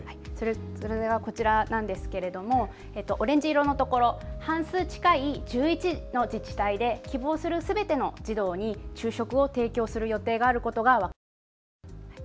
それがこちらなんですけれどオレンジ色のところ、半数近い１１の自治体で希望するすべての児童に昼食を提供する予定があることが分かりました。